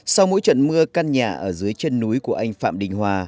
sau mỗi trận mưa căn nhà ở dưới chân núi của anh phạm đình hòa